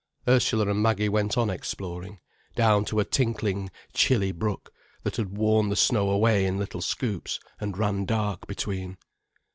Ursula and Maggie went on exploring, down to a tinkling, chilly brook, that had worn the snow away in little scoops, and ran dark between.